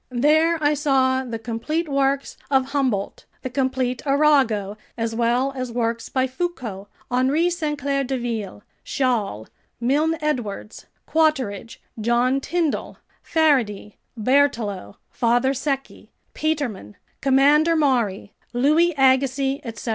There I saw the complete works of Humboldt, the complete Arago, as well as works by Foucault, Henri Sainte Claire Deville, Chasles, Milne Edwards, Quatrefages, John Tyndall, Faraday, Berthelot, Father Secchi, Petermann, Commander Maury, Louis Agassiz, etc.